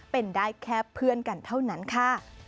เป็นได้แค่เพื่อนกันเท่านั้นค่ะ